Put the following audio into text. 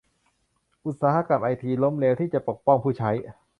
อุตสาหกรรมไอทีล้มเหลวที่จะปกป้องผู้ใช้